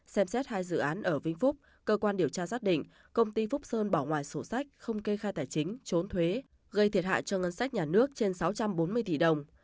xem xét hai dự án ở vĩnh phúc cơ quan điều tra xác định công ty phúc sơn bỏ ngoài sổ sách không kê khai tài chính trốn thuế gây thiệt hại cho ngân sách nhà nước trên sáu trăm bốn mươi tỷ đồng